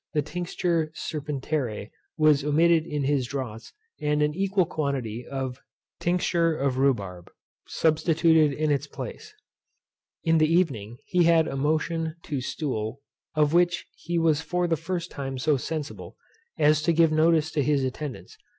The Tinct. Serpent. was omitted in his draughts, and an equal quantity of Tinct. Rhæi Sp. substituted in its place. In the evening he had a motion to stool, of which he was for the first time so sensible, as to give notice to his attendants.